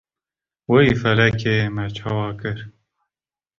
Wey felekê me çawa kir?